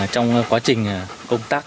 trong quá trình công tác